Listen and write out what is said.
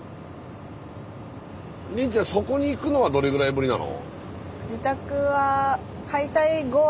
凜ちゃんそこに行くのはどれぐらいぶりなの？